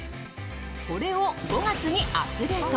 これを５月にアップデート。